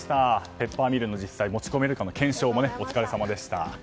ペッパーミルを実際、持ち込めるかの検証もお疲れさまでした。